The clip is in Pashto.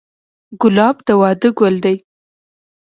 ګلاب د واده ګل دی.